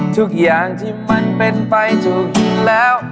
ทุกอย่างที่มันเป็นไปถูกแล้ว